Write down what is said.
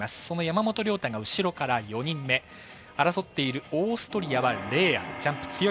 その山本涼太が後ろから４人目。争っているオーストリアはレーアル。